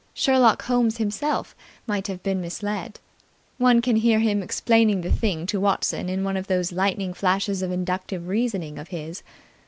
Sherlock Holmes himself might have been misled. One can hear him explaining the thing to Watson in one of those lightning flashes of inductive reasoning of his.